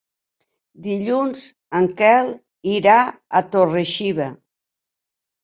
Dilluns en Quel irà a Torre-xiva.